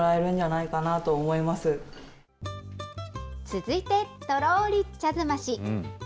続いて、とろーり茶ずまし。